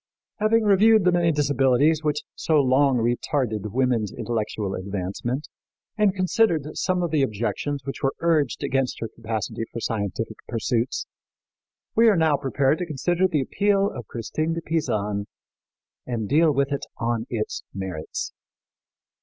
Having reviewed the many disabilities which so long retarded woman's intellectual advancement, and considered some of the objections which were urged against her capacity for scientific pursuits, we are now prepared to consider the appeal of Christine de Pisan and deal with it on its merits.